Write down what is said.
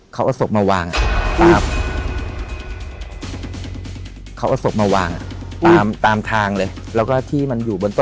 เขาอสบมาวางอะ